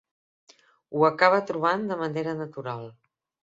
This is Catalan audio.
Ho acaba trobant de manera natural.